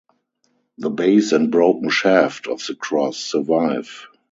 The base and broken shaft of the cross survive.